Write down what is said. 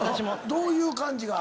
どういう感じが？